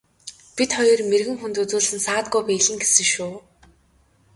Бид хоёр мэргэн хүнд үзүүлсэн саадгүй биелнэ гэсэн шүү.